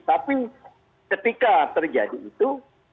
tapi ketika terjadi itu